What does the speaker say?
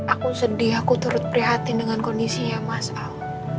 aku sedih aku terus prihatin dengan kondisi ya mas al